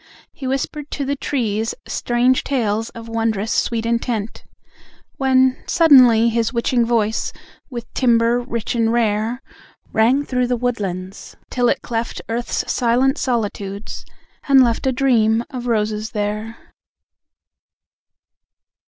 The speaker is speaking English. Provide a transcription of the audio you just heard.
He whispered to the trees strange tales Of wondrous sweet intent, When, suddenly, his witching voice With timbre rich and rare, Rang through the woodlands till it cleft Earth's silent solitudes, and left A Dream of Roses there!